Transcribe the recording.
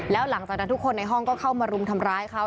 แล้วหลังจากนั้นทุกคนในห้องก็เข้ามารุมทำร้ายเขา